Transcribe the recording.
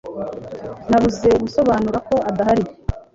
Nabuze gusobanura ko adahari.